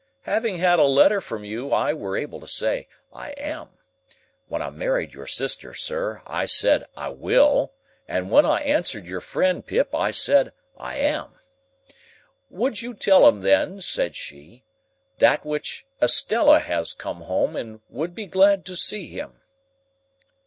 Having had a letter from you, I were able to say 'I am.' (When I married your sister, sir, I said 'I will;' and when I answered your friend, Pip, I said 'I am.') 'Would you tell him, then,' said she, 'that which Estella has come home and would be glad to see him.